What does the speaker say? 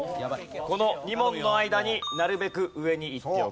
この２問の間になるべく上に行っておきたいという。